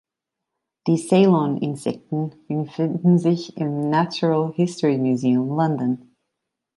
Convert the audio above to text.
Die Ceylon-Insekten befinden sich im Natural History Museum, London.